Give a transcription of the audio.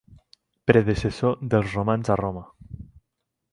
Predecessor dels romans a Roma.